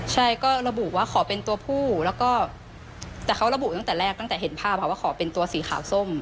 ใช่ก็ระบุว่าขอเป็นตัวผู้แล้วก็แต่เขาระบุตั้งแต่แรกตั้งแต่เห็นภาพค่ะว่าขอเป็นตัวสีขาวส้ม